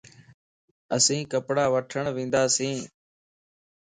اسين ڪپڙا وٺڻ ونداسين